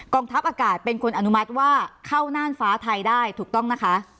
ทัพอากาศเป็นคนอนุมัติว่าเข้าน่านฟ้าไทยได้ถูกต้องนะคะ